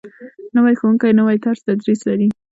نوی ښوونکی نوی طرز تدریس لري